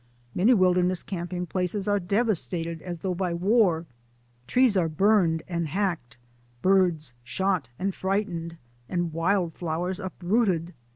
Many wilderness camping places are devastated as though by war. Trees are burned and hacked, birds shot and frightened, and wild flowers up rooted.